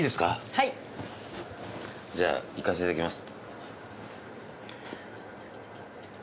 はい。じゃあいかせて頂きます。